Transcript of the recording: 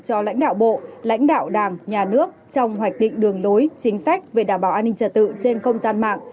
cho lãnh đạo bộ lãnh đạo đảng nhà nước trong hoạch định đường lối chính sách về đảm bảo an ninh trật tự trên không gian mạng